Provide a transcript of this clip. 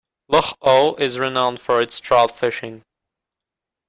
Loch Awe is renowned for its trout fishing.